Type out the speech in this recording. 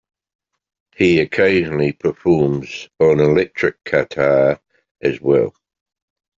He occasionally performs on electric guitar as well.